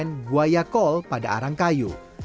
komponen guayakol pada arang kayu